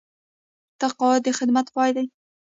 تقاعد د خدمت پای دی